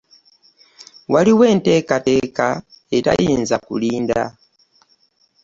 Waaliwo enteekateeka etayinza kulinda.